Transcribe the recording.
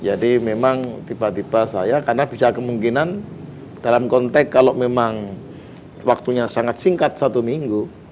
jadi memang tiba tiba saya karena bisa kemungkinan dalam konteks kalau memang waktunya sangat singkat satu minggu